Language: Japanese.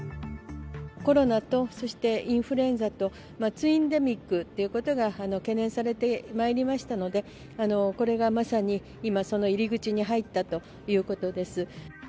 コロナと、そしてインフルエンザと、ツインデミックということが懸念されてまいりましたので、これがまさに今、その入り口に入ったということです。